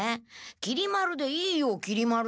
きり丸でいいよきり丸で。